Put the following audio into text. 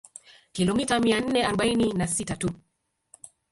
Kilomita mia nne arobaini na sita tu